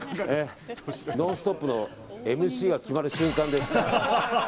「ノンストップ！」のＭＣが決まる瞬間です。